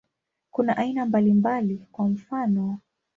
Kuna aina mbalimbali, kwa mfano.